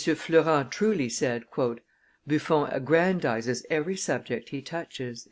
Fleurens truly said, " Bufon aggrandizes every subject he touches."